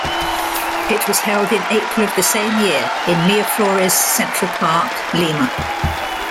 It was held in April of the same year in Miraflores Central Park, Lima.